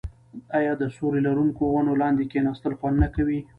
آیا د سیوري لرونکو ونو لاندې کیناستل خوند نه کوي؟